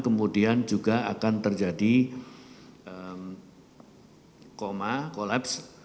kemudian juga akan terjadi koma kolaps